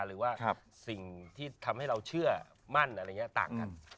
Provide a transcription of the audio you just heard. หรือว่าสิ่งที่ทำให้เราเชื่อมั่นอะไรอย่างนี้ต่างกัน